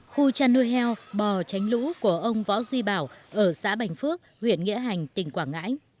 khu chăn nuôi heo bò tránh lũ của ông võ duy bảo ở xã bình phước huyện nghĩa hành tỉnh quảng ngãi